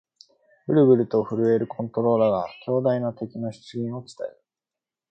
ブルブルと震えるコントローラーが、強大な敵の出現を伝える